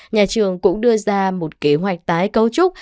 nhà trường cũng đưa ra một kế hoạch tái cấu trúc